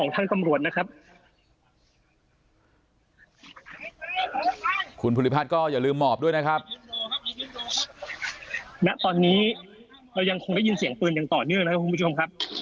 ขณะนี้เรายังคงได้ยินเสียงปืนอย่างต่อเนื่องนะครับคุณผู้ชมครับ